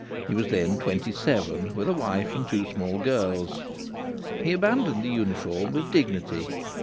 He was then twenty seven, with a wife and two small girls. He abandoned the uniform with dignity.